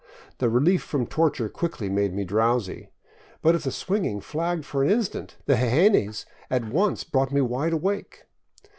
The relief from torture quickly made me drowsy. But if the swinging flagged for an instant, the jejenes at once brought me wide awake.